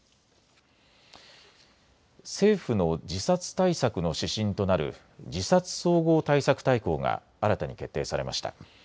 政府の自殺対策の指針となる自殺総合対策大綱が新たに決定されました。